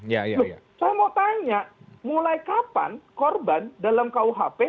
loh saya mau tanya mulai kapan korban dalam kuhp